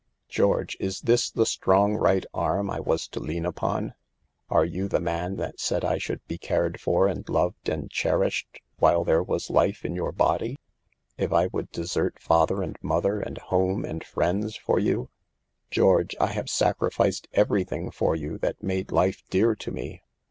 i; George, is this the 6 strong right arm ' I was to lean upon ? Are you the man that said I should be cared for and loved and cherished while there was life in your body, if I would desert father and mother and home and friends for you ? George, I have sacrificed every thing for you that made life dear to me.